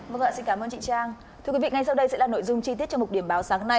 vâng ạ xin cảm ơn chị trang thưa quý vị ngay sau đây sẽ là nội dung chi tiết trong một điểm báo sáng nay